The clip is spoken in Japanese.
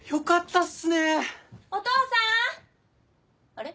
あれ？